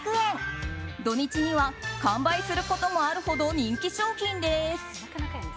土日には完売することもあるほど人気商品です。